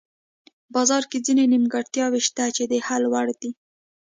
بازار کې ځینې نیمګړتیاوې شته چې د حل وړ دي.